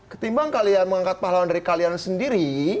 ketimbang kalian mengangkat pahlawan dari kalian sendiri